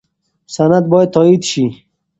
سند باید تایید شي.